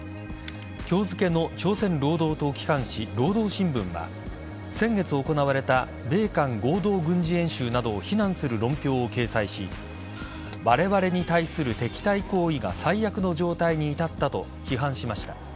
今日付の朝鮮労働党機関紙労働新聞は先月行われた米韓合同軍事演習などを非難する論評を掲載しわれわれに対する敵対行為が最悪の状態に至ったと批判しました。